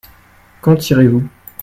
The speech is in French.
Quand irez-vous ?